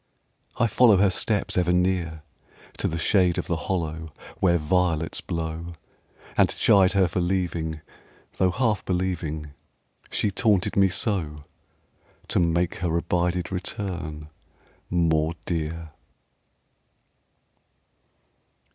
I follow Her steps, ever near, To the shade of the hollow Where violets blow: And chide her for leaving, Tho' half believing She taunted me so, To make her abided return more dear.